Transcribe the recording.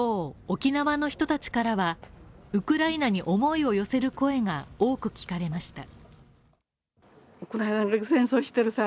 、沖縄の人たちからは、ウクライナに思いを寄せる声が多く聞かれました。